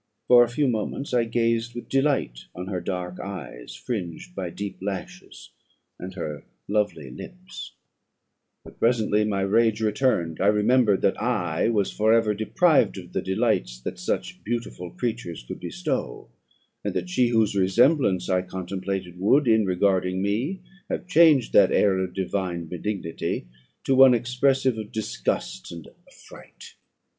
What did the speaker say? For a few moments I gazed with delight on her dark eyes, fringed by deep lashes, and her lovely lips; but presently my rage returned: I remembered that I was for ever deprived of the delights that such beautiful creatures could bestow; and that she whose resemblance I contemplated would, in regarding me, have changed that air of divine benignity to one expressive of disgust and affright.